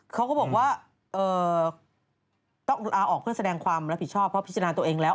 เขาก็บอกว่าต้องอาออกเพื่อแสดงความรับผิดชอบเพราะพิจารณาตัวเองแล้ว